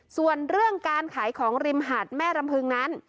ส่วนเรื่องการขายของริมหาดแม่รำพึงนั้น